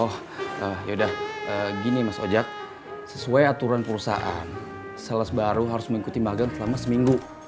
hoy jujur aja noch teman teman